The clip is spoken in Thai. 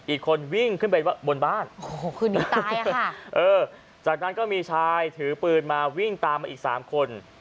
อีกคนวิ่งขึ้นไปบนบ้านโอ้โหคือหนีตายค่ะเออจากนั้นก็มีชายถือปืนมาวิ่งตามมาอีกสามคน